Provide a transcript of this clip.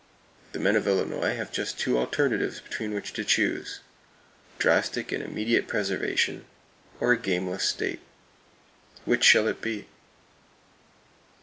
The men of Illinois have just two alternatives between which to choose: drastic and immediate preservation, or a gameless state. Which shall it be?